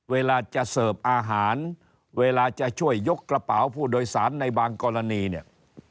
เวลาจะเสิร์ฟอาหารเวลาจะช่วยยกกระเป๋าผู้โดยสารในบางกรณีเนี่ย